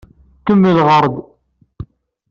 Kemmel ɣeṛ-d.